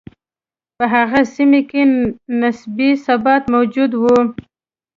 په هغه سیمه کې نسبي ثبات موجود و.